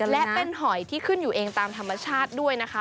และเป็นหอยที่ขึ้นอยู่เองตามธรรมชาติด้วยนะคะ